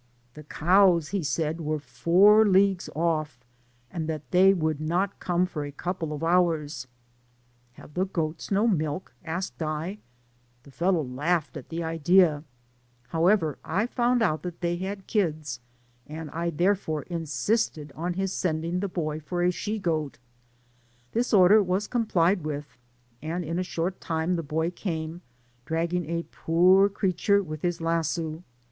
The cows, he said, were four leagues off, and that they would not come for a couple of hours. Have the goats no milk ?" asked I ; the fellow laughed at the idea ; however I found out that they had kids, and I therefore insisted on his Digitized byGoogk 146 PAS^AO^ ACKOSS sending the boy for a she goat. This order was complied with, and in a short time the boy came, dragging a poor creature with his lasso.